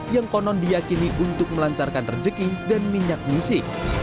yang konon diakini untuk melancarkan rejeki dan minyak misi